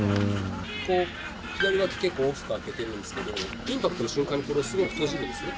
こう、左わき、結構大きく開けてるんですけど、インパクトの瞬間にそれをすごく閉じるんですね。